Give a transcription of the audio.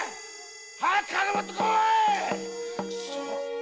早く金持ってこいっ‼